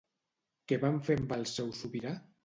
Què van fer amb el seu sobirà?